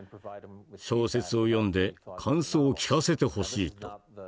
小説を読んで感想を聞かせてほしいと。